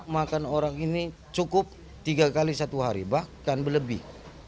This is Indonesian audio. makan orang ini cukup tiga kali satu hari bahkan berlebih